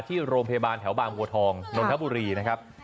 ที่โรงพยาบาลแถวบางบัวทองนนทบุรีนะครับ